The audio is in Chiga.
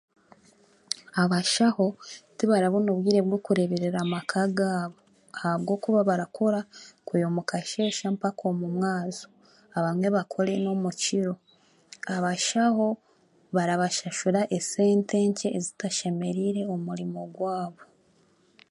Abashaho tibarabona obwire bw'okureberera amaka gaabo ahabw'okuba barakora kwiha omu kasheshe mpaka omu mwazyo abamwe bakore n'omukiro. Abashaho barabashashura esente nkye ezitashemereire omurimo gwabo.